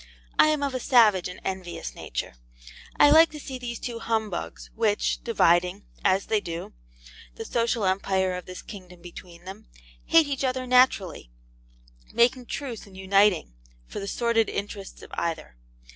I am of a savage and envious nature, I like to see these two humbugs which, dividing, as they do, the social empire of this kingdom between them, hate each other naturally, making truce and uniting, for the sordid interests of either.